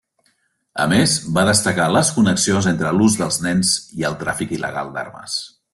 A més, va destacar les connexions entre l'ús dels nens i el tràfic il·legal d'armes.